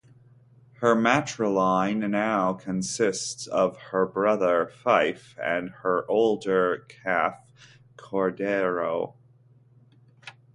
Her matriline now consists of her brother Fife and her older calf Cordero.